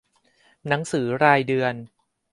หนังสือรายเดือน